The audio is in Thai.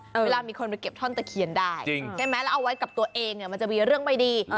เวลามีคนไปเก็บท่อนตะเคียนได้ใช่ไหมแล้วเอาไว้กับตัวเองเนี่ยมันจะมีเรื่องไม่ดี